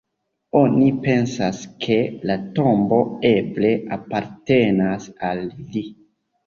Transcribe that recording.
Oni pensas, ke la tombo eble apartenas al li.